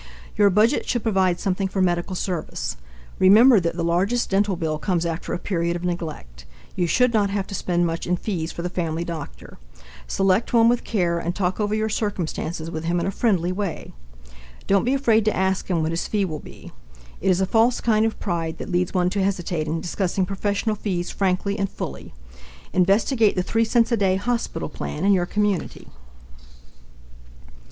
Your budget should provide something for medical service. Remember that the largest dental bill comes after a period of neglect. You should not have to spend much in fees for the family doctor. Select one with care and talk over your circumstances with him in a friendly way. Don't be afraid to ask him what his fee will be. It is a false kind of pride that leads one to hesitate in discussing professional fees frankly and fully. Investigate the three cents a day hospital plan in your community.